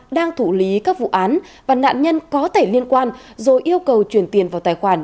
đang thủ lý các vụ án và nạn nhân có thể liên quan rồi yêu cầu chuyển tiền vào tài khoản